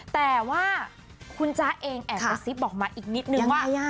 แต่ว่าคุณจ๊ะเองแอบกระซิบบอกมาอีกนิดนึงว่า